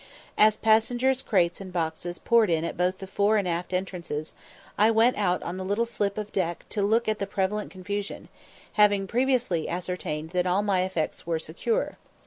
As passengers, crates, and boxes poured in at both the fore and aft entrances, I went out on the little slip of deck to look at the prevalent confusion, having previously ascertained that all my effects were secure.